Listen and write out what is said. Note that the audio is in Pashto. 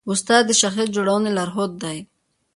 استاد د شخصیت جوړونې لارښود دی.